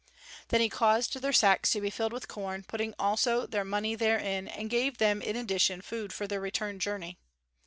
Then he caused their sacks to be filled with corn, putting also their money therein, and gave them in addition food for their return journey.